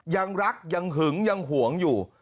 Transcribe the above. ยังรักยังหึงยังห่วงอยู่